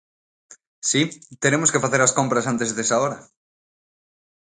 Si, teremos que facer as compras antes desa hora.